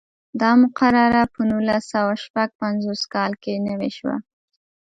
دا مقرره په نولس سوه شپږ پنځوس کال کې نوې شوه.